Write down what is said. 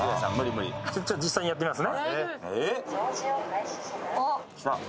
実際にやってみますね。